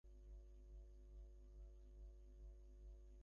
আমি আপনার শাসনে আপনি বদ্ধ।